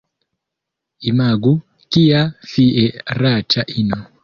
Imagu, kia fieraĉa ino!